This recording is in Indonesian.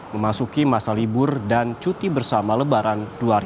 memasuki masa libur dan cuti bersama lebaran dua ribu dua puluh